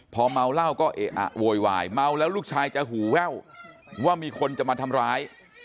พอเมาเหล้าก็เอะอะโวยวายเมาแล้วลูกชายจะหูแว่วว่ามีคนจะมาทำร้าย